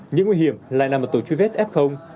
những nguy hiểm lại nằm ở tổ chứa vết f